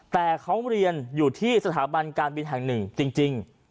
แต่เขาเรียนอยู่ที่สถาบันการบินแห่งหนึ่งจริง